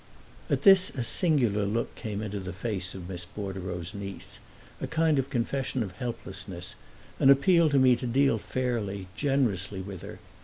At this a singular look came into the face of Miss Bordereau's niece a kind of confession of helplessness, an appeal to me to deal fairly, generously with her.